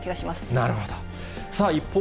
なるほど。